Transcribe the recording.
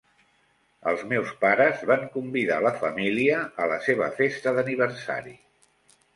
Els meus pares van convidar la família a la seva festa d'aniversari.